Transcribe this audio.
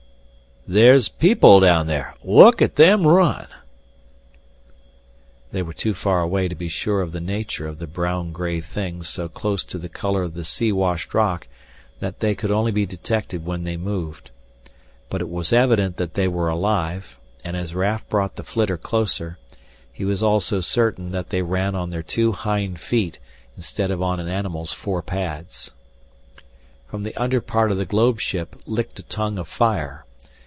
"There's, people down there! Look at them run!" They were too far away to be sure of the nature of the brown gray things so close to the color of the sea washed rock that they could only be detected when they moved. But it was evident that they were alive, and as Raf brought the flitter closer, he was also certain that they ran on their two hind feet instead of on an animal's four pads. From the under part of the globe ship licked a tongue of fire.